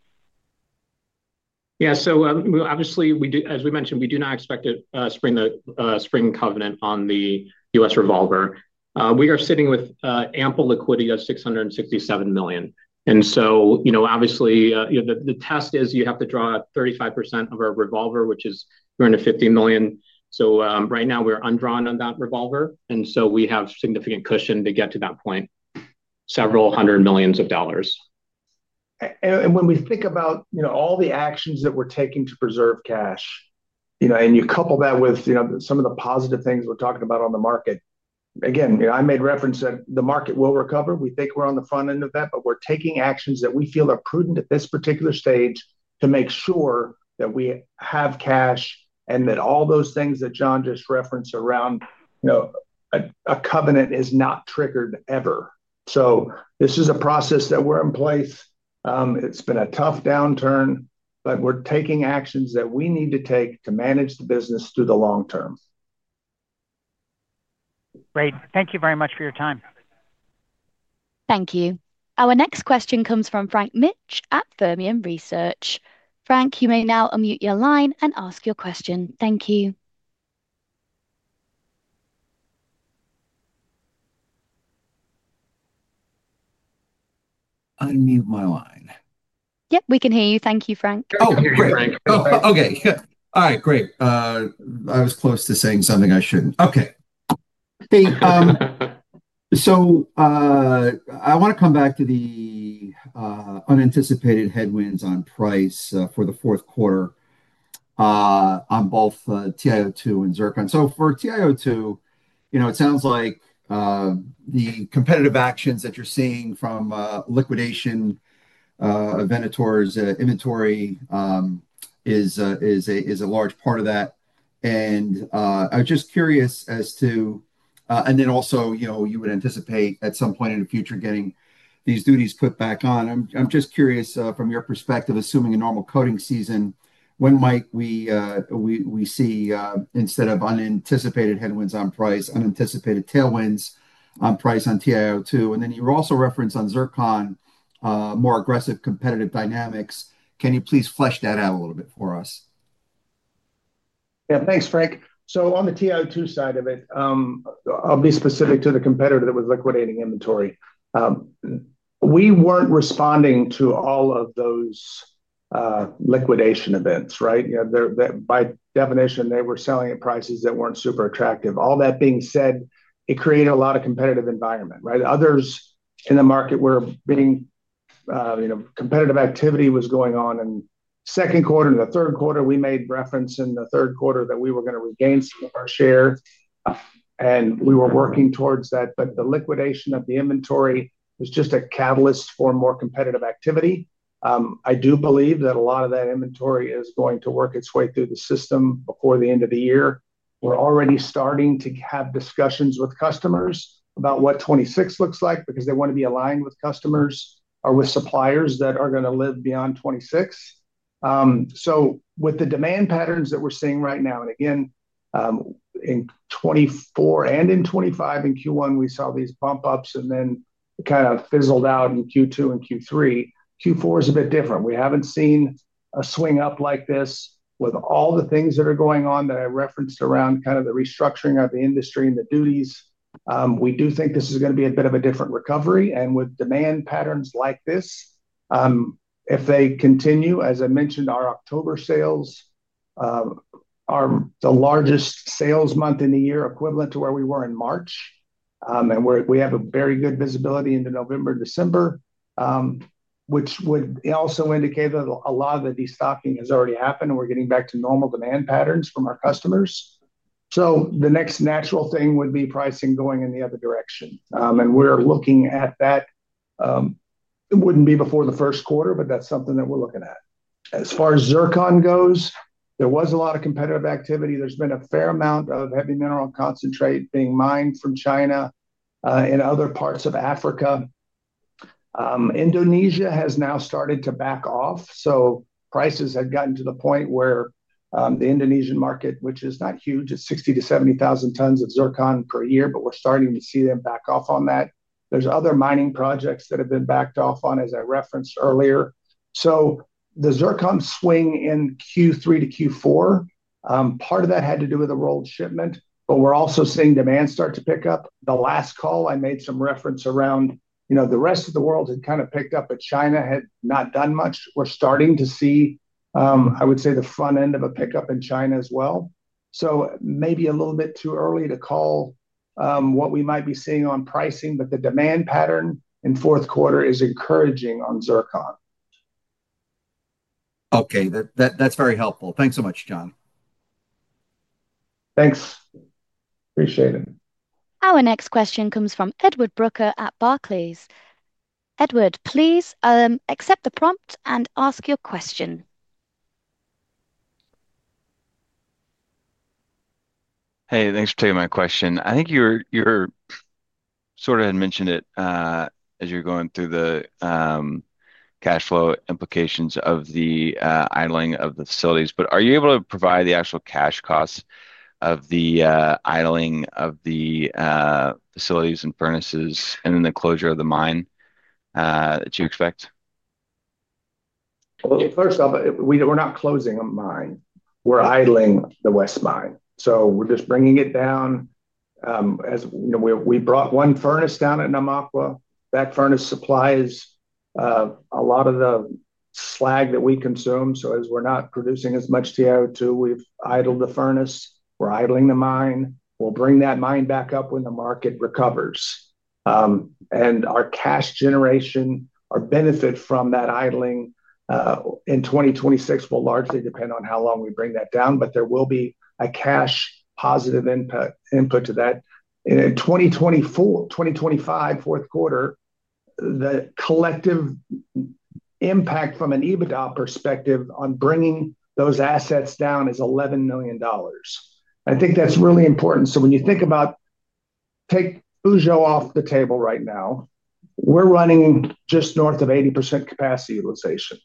Yeah. Obviously, as we mentioned, we do not expect to spring the spring covenant on the US revolver. We are sitting with ample liquidity of $667 million. The test is you have to draw 35% of our revolver, which is around $50 million. Right now, we're undrawn on that revolver. We have significant cushion to get to that point, several hundred million dollars. When we think about all the actions that we are taking to preserve cash, and you couple that with some of the positive things we are talking about on the market, again, I made reference that the market will recover. We think we are on the front end of that, but we are taking actions that we feel are prudent at this particular stage to make sure that we have cash and that all those things that John just referenced around a covenant is not triggered ever. This is a process that we are in place. It has been a tough downturn, but we are taking actions that we need to take to manage the business through the long term. Great. Thank you very much for your time. Thank you. Our next question comes from Frank Mitsch at Fermium Research. Frank, you may now unmute your line and ask your question. Thank you. Unmute my line. Yep, we can hear you. Thank you, Frank. Oh, okay. All right. Great. I was close to saying something I shouldn't. Okay. I want to come back to the unanticipated headwinds on price for the fourth quarter on both TiO2 and zircon. For TiO2, it sounds like the competitive actions that you're seeing from liquidation of Venator's inventory is a large part of that. I'm just curious as to, and then also you would anticipate at some point in the future getting these duties put back on. I'm just curious from your perspective, assuming a normal coating season, when might we see instead of unanticipated headwinds on price, unanticipated tailwinds on price on TiO2? You also referenced on zircon more aggressive competitive dynamics. Can you please flesh that out a little bit for us? Yeah, thanks, Frank. On the TiO2 side of it, I'll be specific to the competitor that was liquidating inventory. We weren't responding to all of those liquidation events, right? By definition, they were selling at prices that were not super attractive. All that being said, it created a lot of competitive environment, right? Others in the market were being competitive. Competitive activity was going on in the second quarter. In the third quarter, we made reference in the third quarter that we were going to regain some of our share. We were working towards that. The liquidation of the inventory was just a catalyst for more competitive activity. I do believe that a lot of that inventory is going to work its way through the system before the end of the year. We are already starting to have discussions with customers about what 2026 looks like because they want to be aligned with customers or with suppliers that are going to live beyond 2026. With the demand patterns that we are seeing right now, and again. In 2024 and in 2025, in Q1, we saw these bump-ups and then kind of fizzled out in Q2 and Q3. Q4 is a bit different. We have not seen a swing up like this with all the things that are going on that I referenced around kind of the restructuring of the industry and the duties. We do think this is going to be a bit of a different recovery. And with demand patterns like this. If they continue, as I mentioned, our October sales are the largest sales month in the year, equivalent to where we were in March. We have very good visibility into November, December, which would also indicate that a lot of the destocking has already happened and we are getting back to normal demand patterns from our customers. The next natural thing would be pricing going in the other direction. We're looking at that. It would not be before the first quarter, but that is something that we're looking at. As far as zircon goes, there was a lot of competitive activity. There has been a fair amount of heavy mineral concentrate being mined from China and other parts of Africa. Indonesia has now started to back off. Prices have gotten to the point where the Indonesian market, which is not huge, it is 60,000-70,000 tons of zircon per year, but we're starting to see them back off on that. There are other mining projects that have been backed off on, as I referenced earlier. The zircon swing in Q3 to Q4, part of that had to do with the rolled shipment, but we're also seeing demand start to pick up. The last call, I made some reference around the rest of the world had kind of picked up, but China had not done much. We're starting to see, I would say, the front end of a pickup in China as well. It may be a little bit too early to call what we might be seeing on pricing, but the demand pattern in fourth quarter is encouraging on zircon. Okay. That's very helpful. Thanks so much, John. Thanks. Appreciate it. Our next question comes from Edward Brucker at Barclays. Edward, please accept the prompt and ask your question. Hey, thanks for taking my question. I think you sort of had mentioned it as you're going through the cash flow implications of the idling of the facilities. Are you able to provide the actual cash costs of the idling of the facilities and furnaces and then the closure of the mine that you expect? First off, we're not closing a mine. We're idling the West mine. So we're just bringing it down. We brought one furnace down at Namakwa. That furnace supplies a lot of the slag that we consume. So as we're not producing as much TiO2, we've idled the furnace. We're idling the mine. We'll bring that mine back up when the market recovers. Our cash generation, our benefit from that idling in 2026 will largely depend on how long we bring that down, but there will be a cash positive input to that. In 2025, fourth quarter, the collective impact from an EBITDA perspective on bringing those assets down is $11 million. I think that's really important. When you think about it, take Fuzhou off the table right now. We're running just north of 80% capacity utilization.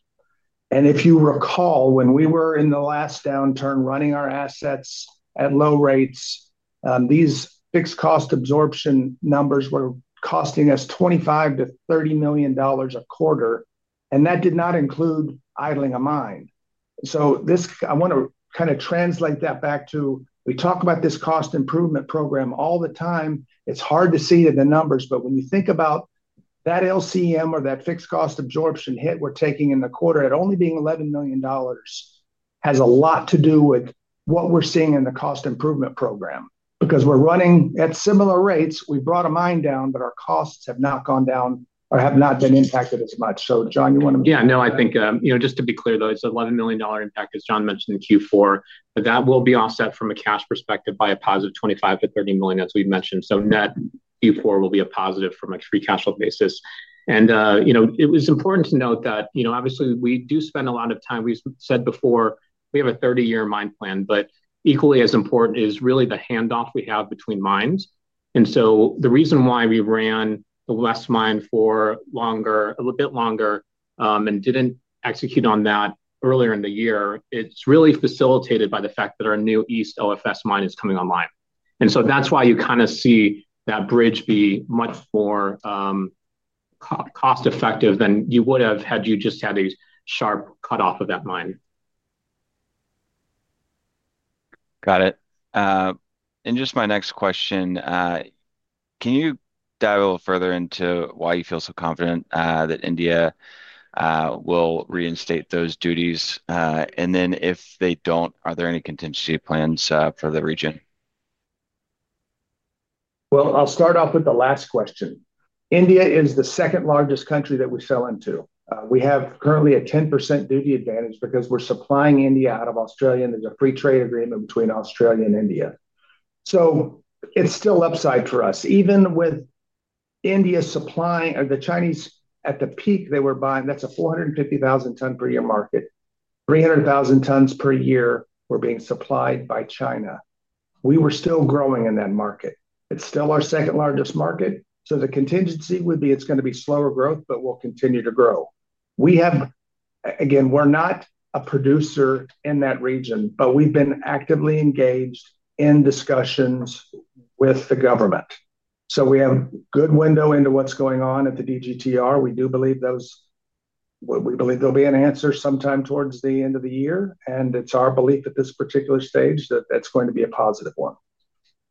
If you recall, when we were in the last downturn running our assets at low rates, these fixed cost absorption numbers were costing us $25 million-$30 million a quarter. That did not include idling a mine. I want to kind of translate that back to we talk about this cost improvement program all the time. It's hard to see in the numbers, but when you think about that LCM or that fixed cost absorption hit we're taking in the quarter at only being $11 million, it has a lot to do with what we're seeing in the cost improvement program. Because we're running at similar rates, we brought a mine down, but our costs have not gone down or have not been impacted as much. John, you want to? Yeah. No, I think just to be clear, though, it's an $11 million impact, as John mentioned in Q4, but that will be offset from a cash perspective by a positive $25 million-$30 million, as we've mentioned. Net Q4 will be a positive from a free cash flow basis. It was important to note that obviously we do spend a lot of time. We've said before we have a 30-year mine plan, but equally as important is really the handoff we have between mines. The reason why we ran the West mine for a little bit longer and did not execute on that earlier in the year is really facilitated by the fact that our new East OFS mine is coming online. That is why you kind of see that bridge be much more. Cost-effective than you would have had you just had a sharp cutoff of that mine. Got it. Just my next question. Can you dive a little further into why you feel so confident that India will reinstate those duties? If they do not, are there any contingency plans for the region? I'll start off with the last question. India is the second largest country that we sell into. We have currently a 10% duty advantage because we're supplying India out of Australia. There's a free trade agreement between Australia and India. It's still upside for us. Even with India supplying the Chinese at the peak, they were buying, that's a 450,000-ton-per-year market. 300,000 tons per year were being supplied by China. We were still growing in that market. It's still our second largest market. The contingency would be it's going to be slower growth, but we'll continue to grow. Again, we're not a producer in that region, but we've been actively engaged in discussions with the government. We have a good window into what's going on at the DGTR. We do believe there'll be an answer sometime towards the end of the year. It is our belief at this particular stage that that is going to be a positive one.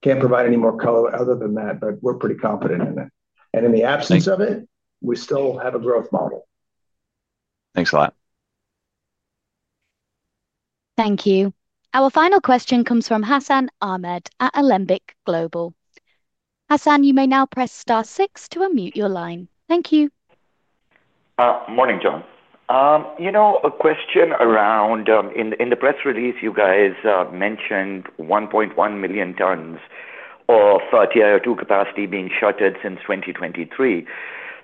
I cannot provide any more color other than that, but we are pretty confident in it. In the absence of it, we still have a growth model. Thanks a lot. Thank you. Our final question comes from Hassan Ahmed at Alembic Global. Hassan, you may now press star six to unmute your line. Thank you. Morning, John. You know, a question around, in the press release, you guys mentioned 1.1 million tons of TiO2 capacity being shuttered since 2023.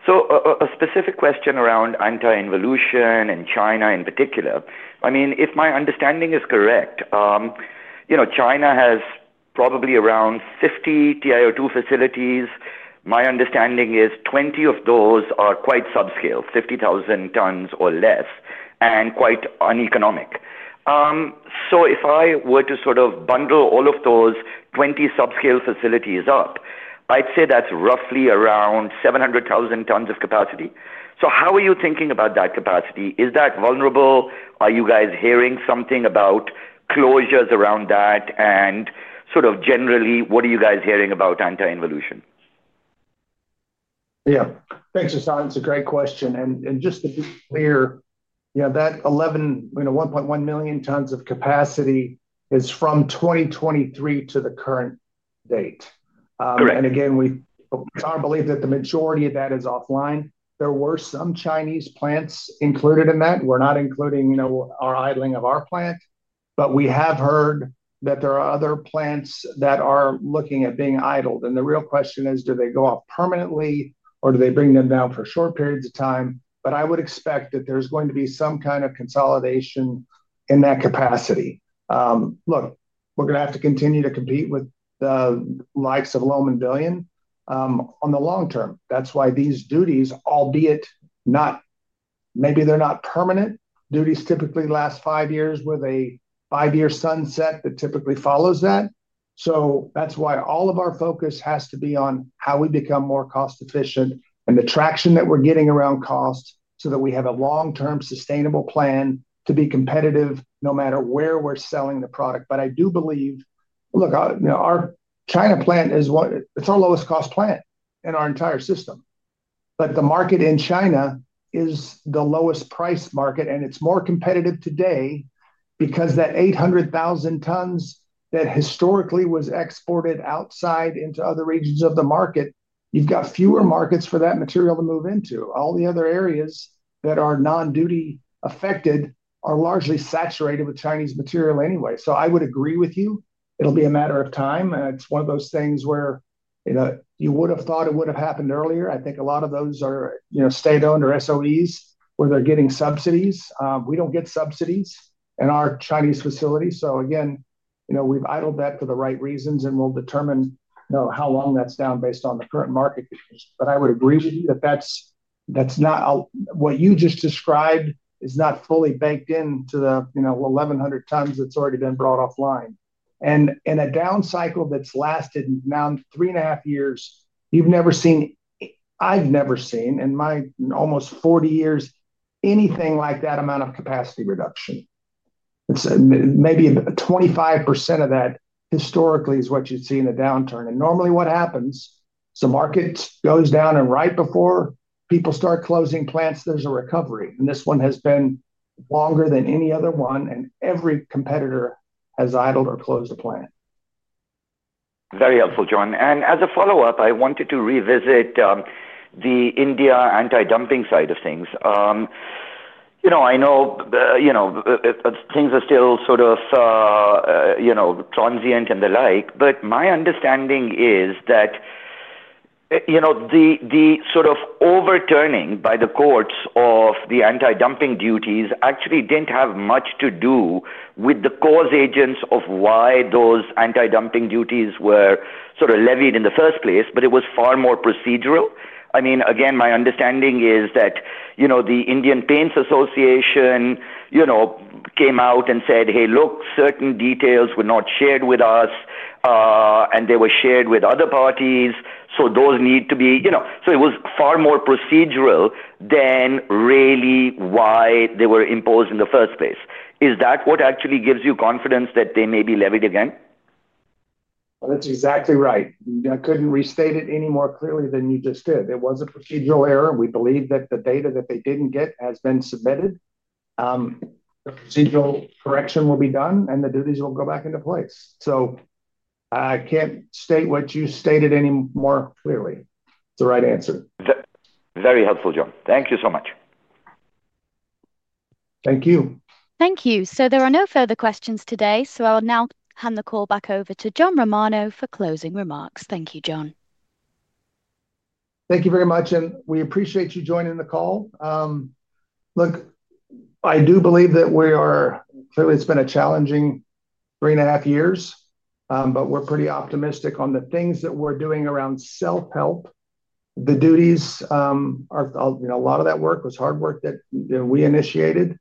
A specific question around anti-involution and China in particular. I mean, if my understanding is correct, China has probably around 50 TiO2 facilities. My understanding is 20 of those are quite subscale, 50,000 tons or less, and quite uneconomic. If I were to sort of bundle all of those 20 subscale facilities up, I'd say that's roughly around 700,000 tons of capacity. How are you thinking about that capacity? Is that vulnerable? Are you guys hearing something about closures around that? And sort of generally, what are you guys hearing about anti-involution? Yeah. Thanks, Hassan. It's a great question. Just to be clear, that 1.1 million tons of capacity is from 2023 to the current date. Again, we believe that the majority of that is offline. There were some Chinese plants included in that. We're not including our idling of our plant. We have heard that there are other plants that are looking at being idled. The real question is, do they go off permanently or do they bring them down for short periods of time? I would expect that there's going to be some kind of consolidation in that capacity. Look, we're going to have to continue to compete with the likes of Lomon Billions on the long term. That's why these duties, albeit not, maybe they're not permanent. Duties typically last five years with a five-year sunset that typically follows that. That is why all of our focus has to be on how we become more cost-efficient and the traction that we are getting around cost so that we have a long-term sustainable plan to be competitive no matter where we are selling the product. I do believe, look, our China plant is our lowest-cost plant in our entire system. The market in China is the lowest-priced market, and it is more competitive today because that 800,000 tons that historically was exported outside into other regions of the market, you have fewer markets for that material to move into. All the other areas that are non-duty affected are largely saturated with Chinese material anyway. I would agree with you. It will be a matter of time. It is one of those things where you would have thought it would have happened earlier. I think a lot of those are state-owned or SOEs where they're getting subsidies. We don't get subsidies in our Chinese facilities. Again, we've idled that for the right reasons, and we'll determine how long that's down based on the current market. I would agree with you that what you just described is not fully banked into the 1,100 tons that's already been brought offline. In a down cycle that's lasted now three and a half years, you've never seen, I've never seen in my almost 40 years anything like that amount of capacity reduction. Maybe 25% of that historically is what you see in a downturn. Normally what happens, the market goes down, and right before people start closing plants, there's a recovery. This one has been longer than any other one, and every competitor has idled or closed a plant. Very helpful, John. As a follow-up, I wanted to revisit the India anti-dumping side of things. I know things are still sort of transient and the like, but my understanding is that the sort of overturning by the courts of the anti-dumping duties actually did not have much to do with the cause agents of why those anti-dumping duties were sort of levied in the first place, but it was far more procedural. I mean, again, my understanding is that the Indian Paints Association came out and said, "Hey, look, certain details were not shared with us. And they were shared with other parties." So those need to be, so it was far more procedural than really why they were imposed in the first place. Is that what actually gives you confidence that they may be levied again? That's exactly right. I couldn't restate it any more clearly than you just did. It was a procedural error. We believe that the data that they didn't get has been submitted. The procedural correction will be done, and the duties will go back into place. I can't state what you stated any more clearly. It's the right answer. Very helpful, John. Thank you so much. Thank you. Thank you. There are no further questions today. I will now hand the call back over to John Romano for closing remarks. Thank you, John. Thank you very much, and we appreciate you joining the call. Look, I do believe that we are clearly, it's been a challenging three and a half years, but we're pretty optimistic on the things that we're doing around self-help. The duties. A lot of that work was hard work that we initiated.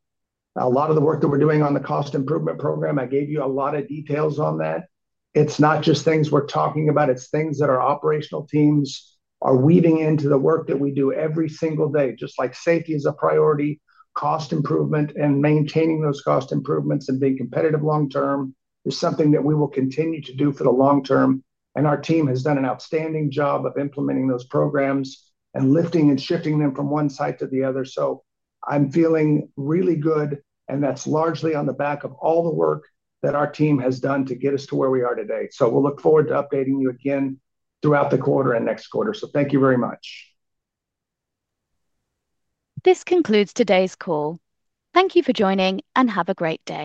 A lot of the work that we're doing on the cost improvement program, I gave you a lot of details on that. It's not just things we're talking about. It's things that our operational teams are weaving into the work that we do every single day. Just like safety is a priority, cost improvement and maintaining those cost improvements and being competitive long-term is something that we will continue to do for the long-term. Our team has done an outstanding job of implementing those programs and lifting and shifting them from one side to the other. I'm feeling really good, and that's largely on the back of all the work that our team has done to get us to where we are today. We'll look forward to updating you again throughout the quarter and next quarter. Thank you very much. This concludes today's call. Thank you for joining and have a great day.